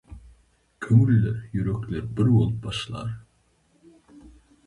Köňüller, ýürekler bir bolup başlar,